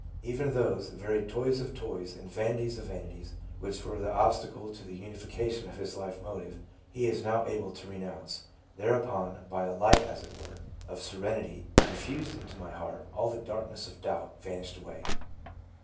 Even those " very toys of toys and vanities of vanities," which were the obstacle to the unification of his life motive, he is now able to renounce ; thereupon, " by a light, as it were, of serenity, infused into my heart, all the darkness of doubt vanished away."